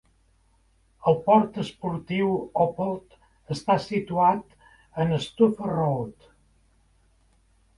El port esportiu Oppold està situat en Stouffer Road.